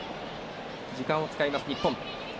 時間を使います、日本。